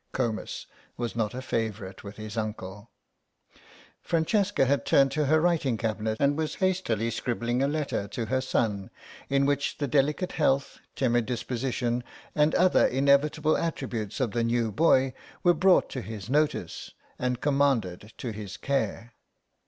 Comus was not a favourite with his uncle. Francesca had turned to her writing cabinet and was hastily scribbling a letter to her son in which the delicate health, timid disposition and other inevitable attributes of the new boy were brought to his notice, and commanded to his care.